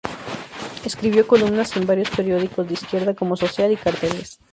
Escribió columnas en varios periódicos de izquierda, como "Social", y "Carteles".